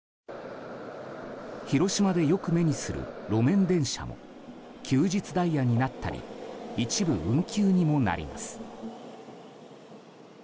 広島でよく目にする路面電車も休日ダイヤになったり一部運休にもなります。